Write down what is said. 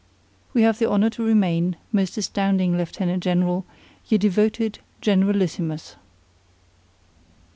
We have the honor to remain, most astounding Lieutenant General! your devoted GENERALISSIMUS.